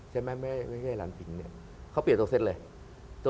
แล้วก็เอาตัวออกออกออกมาเล่น